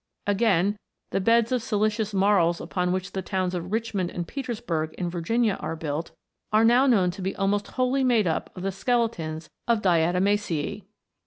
Again, the beds of silicious marls upon which the towns of Richmond and Petersburg, in Virginia, are built, are now known to be almost wholly made up of the skeletons of diatomaccee.